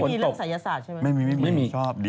มีเรื่องศัยศาสตร์ใช่ไหมไม่มีชอบดี